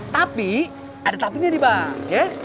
tapi ada tapi nih nih bang